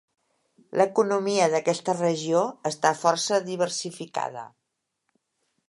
L'economia d'aquesta regió està força diversificada.